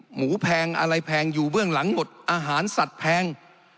แพงอะไรแพงอยู่เบื้องหลังหมดอาหารสัตว์แพง